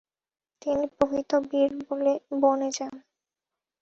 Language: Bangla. তিনি প্রকৃত বীর বনে যান।